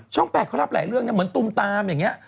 ช่องแปดเขารับหลายเรื่องเนี่ยเหมือนตุมตามอย่างเงี้ย